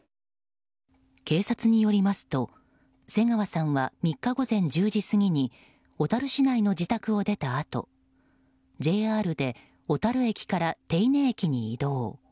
警察によりますと瀬川さんは３日午前１０時過ぎに小樽市内の自宅を出たあとＪＲで小樽駅から手稲駅に移動。